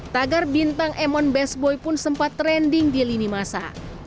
tagar bintang emon best boy pun sempat trending di lini masa